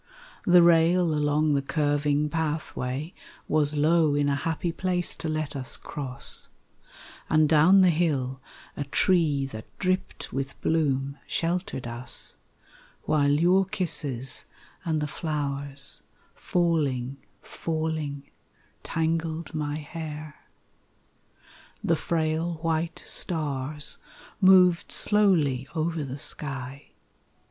The rail along the curving pathway Was low in a happy place to let us cross, And down the hill a tree that dripped with bloom Sheltered us, While your kisses and the flowers, Falling, falling, Tangled my hair. ... The frail white stars moved slowly over the sky.